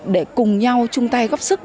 để cùng nhau chung tay góp sức